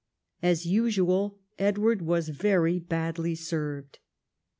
As usual Edward was very badly served.